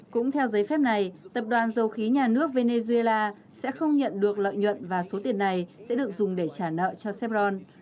cũng theo giấy phép này tập đoàn dầu khí nhà nước venezuela sẽ không nhận được lợi nhuận và số tiền này sẽ được dùng để trả nợ cho sepron